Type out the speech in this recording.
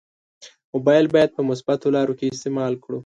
مبایل باید په مثبتو لارو کې استعمال کړو.